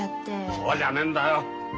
そうじゃねんだよ。